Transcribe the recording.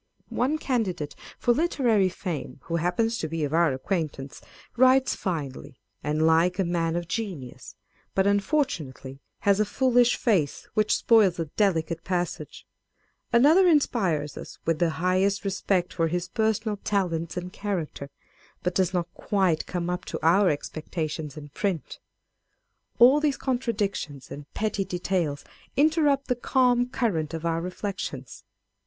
One candidate for literary fame, who happens to be of our acquaintance, writes finely, and like a man of genius ; but unfortunately has a foolish face, which spoils a delicate passage : â€" another inspires us with the highest respect for his personal talents and character, but does not quite come up to our expectations in print. All these contra dictions and petty details interrupt the calm current of our reflections.